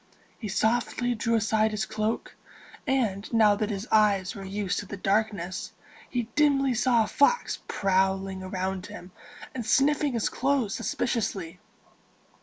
He softly drew aside his cloak, and, now that his eyes were used to the darkness, he dimly saw a fox prowling around him, and sniffing his clothes suspiciously.